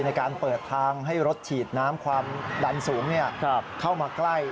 ในการเปิดทางให้รถฉีดน้ำความดันสูงเข้ามาใกล้